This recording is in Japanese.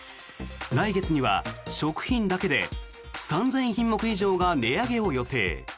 来月には食品だけで３０００品目以上が値上げを予定。